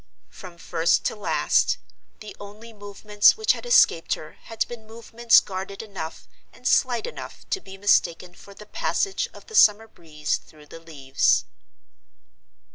From first to last, the only movements which had escaped her had been movements guarded enough and slight enough to be mistaken for the passage of the summer breeze through the leaves!